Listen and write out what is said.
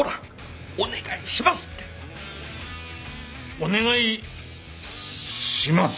お願いします。